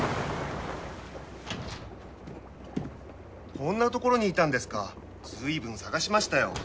こんなところにいたんですかずいぶん捜しましたよ。